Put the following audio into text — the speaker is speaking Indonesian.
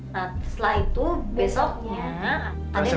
nah setelah itu besoknya ada yang nawarin